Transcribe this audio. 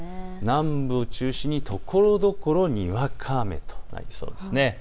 南部を中心にところどころにわか雨となりそうです。